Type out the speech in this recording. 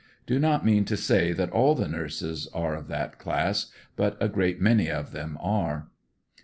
Do not mean to say that all the nurses are of that class but a great many of them are.